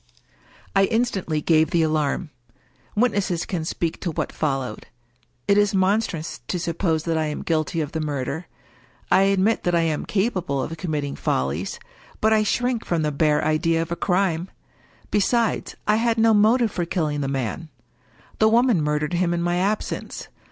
I instantly gave the alarm. Witnesses can speak to what followed. It is monstrous to suppose that I am guilty of the murder. I admit that I am capable of committing fol lies : but I shrink from the bare idea of a crime. Besides, I had no motive for killing the man. The woman mur dered him in my absence.